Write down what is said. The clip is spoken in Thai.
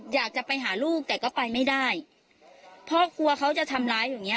อยากจะไปหาลูกแต่ก็ไปไม่ได้พ่อครัวเขาจะทำร้ายอย่างเงี้